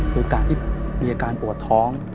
คือการที่มีอาการปวดท้อง